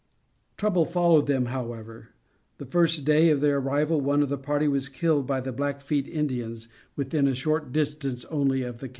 Trouble followed them, however. The first day of their arrival, one of the party was killed by the Blackfeet Indians within a short distance, only, of the camp.